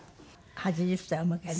８０歳をお迎えに。